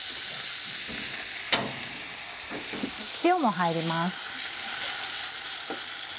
塩も入ります。